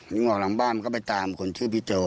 วิ่งออกหลังบ้านก็ไปตามคนชื่อพี่โจ